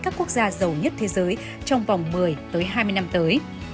các quốc gia giàu nhất thế giới trong vòng một mươi tới hai mươi năm tới